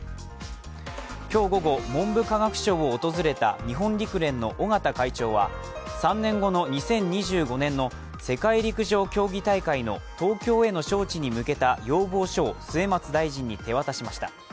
今日午後、文部科学省を訪れた日本陸連の尾縣会長は３年後の２０２５年の世界陸上競技大会の東京への招致に向けた要望書を末松大臣に手渡しました。